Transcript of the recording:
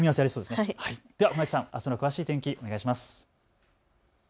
では船木さん、あしたの詳しい天気、お願いします。